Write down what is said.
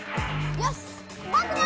よしぼくも！